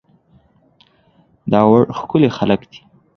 داوړ ښکلي خلک دي